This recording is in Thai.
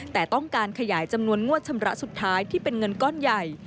แต่ต้องการขยายจำนวนงวดชำระสุดท้ายที่เป็นเงินก้อนใหญ่